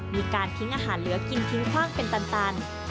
มีการทิ้งอาหารเหลือกินทิ้งคว่างเป็นตัน